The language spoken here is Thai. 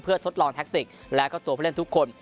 เพื่อทดลองแท็กติกและเข้าตัวเพื่อเล่นทุกคน